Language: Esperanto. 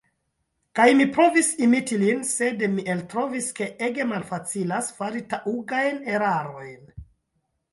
Kaj mi provis imiti lin, sed mi eltrovis ke ege malfacilas fari taŭgajn erarojn.